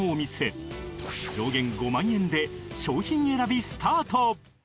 上限５万円で商品選びスタート！